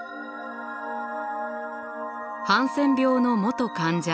ハンセン病の元患者